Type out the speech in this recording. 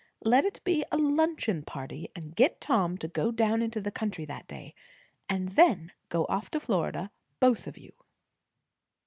"Let it be a luncheon party; and get Tom to go down into the country that day. And then go off to Florida, both of you."